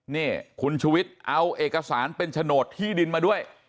นี่คุณชุวิตเอาเอกสารเป็นโฉนดที่ดินมาด้วย